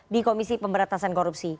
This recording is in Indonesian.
di komisi pemberantasan korupsi